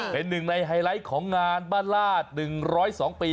เป็นหนึ่งในไฮไลท์ของงานบ้านลาด๑๐๒ปี